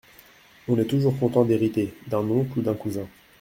On est toujours content d'hériter … d'un oncle ou d'un cousin.